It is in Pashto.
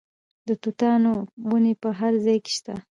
د توتانو ونې په هر ځای کې شته.